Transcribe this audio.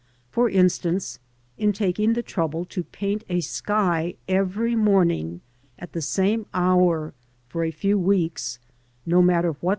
For instance, in taking the trouble to paint a_ sky ev ery morning , at the same hour, for a few weeks, no matter what.